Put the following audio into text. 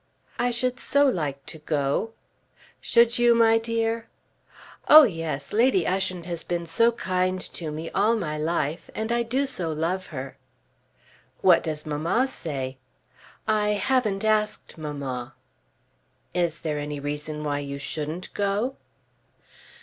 "I should so like to go." "Should you, my dear?" "Oh yes! Lady Ushant has been so kind to me, all my life! And I do so love her!" "What does mamma say?" "I haven't asked mamma." "Is there any reason why you shouldn't go?"